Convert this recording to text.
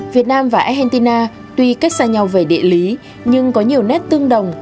việt nam và argentina tuy cách xa nhau về địa lý nhưng có nhiều nét tương đồng